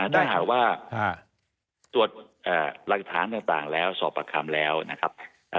ถ้าหากว่าตรวจหลักฐานต่างแล้วสอบประคำแล้วนะครับ